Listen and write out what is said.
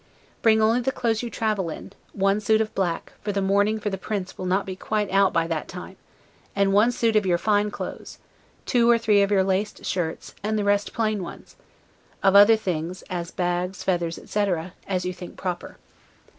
Bring only the clothes you travel in, one suit of black, for the mourning for the Prince will not be quite out by that time, and one suit of your fine clothes, two or three of your laced shirts, and the rest plain ones; of other things, as bags, feathers, etc., as you think proper.